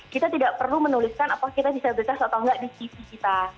kita tidak perlu menuliskan apakah kita disabilitas atau enggak di tv kita